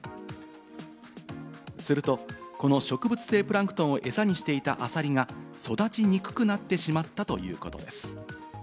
するとこの植物性プランクトンをエサにしていたアサリが育ちにくくなってしまったということです。